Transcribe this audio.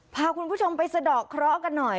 พาคุณผู้ชมไปสะดอกเคราะห์กันหน่อย